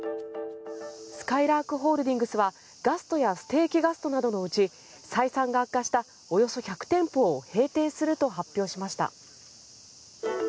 すかいらーくホールディングスはガストやステーキガストなどのうち採算が悪化したおよそ１００店舗を閉店すると発表しました。